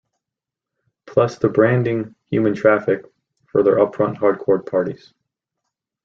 Plus the branding 'Human Traffic' for their upfront Hardcore parties.